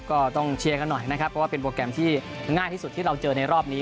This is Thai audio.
ก็ต้องเชียร์กันหน่อยนะครับเพราะว่าเป็นโปรแกรมที่ง่ายที่สุดที่เราเจอในรอบนี้